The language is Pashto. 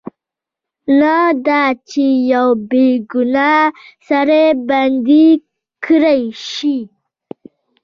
نه دا چې یو بې ګناه سړی بندي کړای شي.